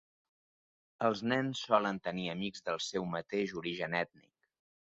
Els nens solen tenir amics del seu mateix origen ètnic.